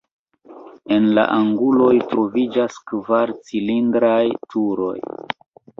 En la anguloj troviĝas kvar cilindraj turoj.